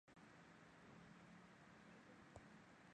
以羽球队和管乐团闻名。